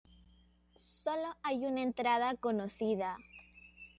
Sólo hay una entrada conocida.